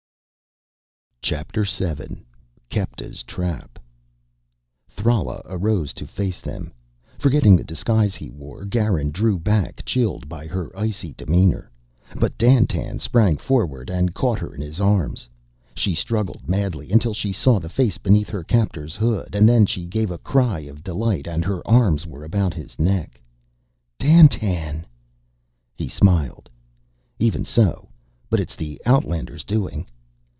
CHAPTER SEVEN Kepta's Trap Thrala arose to face them. Forgetting the disguise he wore, Garin drew back, chilled by her icy demeanor. But Dandtan sprang forward and caught her in his arms. She struggled madly until she saw the face beneath her captor's hood, and then she gave a cry of delight and her arms were about his neck. "Dandtan!" He smiled. "Even so. But it is the outlander's doing."